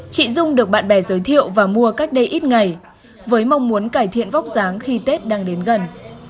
chị dung được bạn bè giới thiệu và mua cách đây ít ngày với mong muốn cải thiện vóc dáng khi tết đang đến gần